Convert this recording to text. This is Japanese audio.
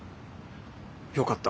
よかった。